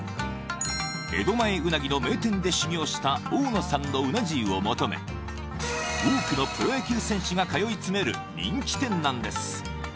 江戸前うなぎの名店で修業した大野さんのうな重を求め多くのプロ野球選手が通い詰める人気店なんです